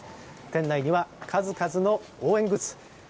店内には、数々の応援グッズ。